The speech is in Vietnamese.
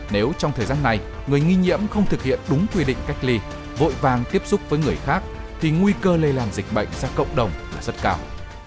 nếu trong thời gian này người nghi nhiễm không thực hiện đúng quy định cách ly vội vàng tiếp xúc với người khác thì nguy cơ lây lan dịch bệnh ra cộng đồng là rất cao